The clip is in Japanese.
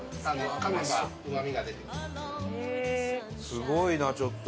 すごいなちょっと。